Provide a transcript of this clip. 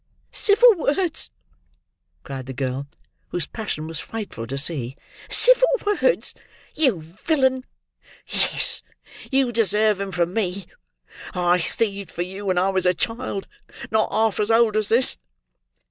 "Civil words!" cried the girl, whose passion was frightful to see. "Civil words, you villain! Yes, you deserve 'em from me. I thieved for you when I was a child not half as old as this!"